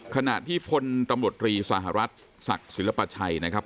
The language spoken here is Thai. ขณะที่พลตำรวจรีสหรัฐศักดิ์ศิลปชัยนะครับ